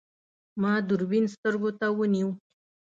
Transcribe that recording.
ما دوربین سترګو ته ونیو.